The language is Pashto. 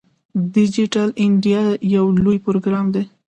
ډیجیټل انډیا یو لوی پروګرام دی.